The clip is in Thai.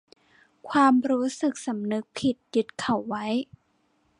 ความรู้สึกสำนึกผิดยึดเขาไว้